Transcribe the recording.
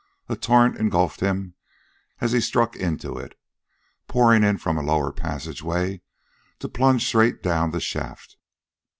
A torrent engulfed him as he struck into it, pouring in from a lower passageway to plunge straight down the shaft.